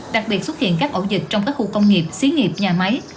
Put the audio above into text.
đặc biệt xuất hiện các ổ dịch trong các khu công nghiệp xí nghiệp nhà máy